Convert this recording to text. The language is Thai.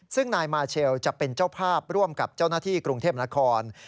ซึ่งนายมาเชลจะเป็นเจ้าภาพร่วมกับเจ้าหน้าที่กรุงเทพนคร